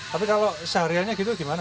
tapi kalau sehariannya gitu gimana